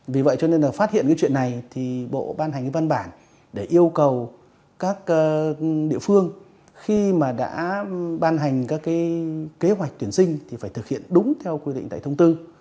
vì vậy cho nên là phát hiện cái chuyện này thì bộ ban hành cái văn bản để yêu cầu các địa phương khi mà đã ban hành các cái kế hoạch tuyển sinh thì phải thực hiện đúng theo quy định tại thông tư